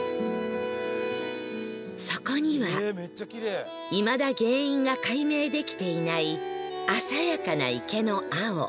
そこにはいまだ原因が解明できていない鮮やかな池の青